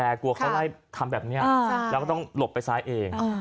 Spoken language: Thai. แต่กลัวเขาไล่ทำแบบนี้แล้วก็ต้องหลบไปซ้ายเอง